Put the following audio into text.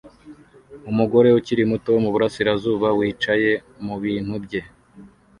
Umugore ukiri muto wo muburasirazuba wicaye mubintu bye